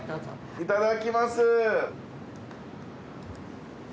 いただきます。